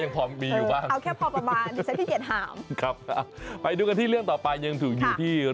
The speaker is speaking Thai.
ขี่ไบเกอร์ไม่เป็นใช่ไหม